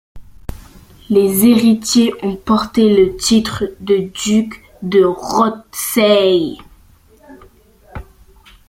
Les héritiers ont porté le titre de duc de Rothesay.